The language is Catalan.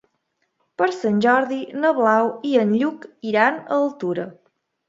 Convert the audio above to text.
Per Sant Jordi na Blau i en Lluc iran a Altura.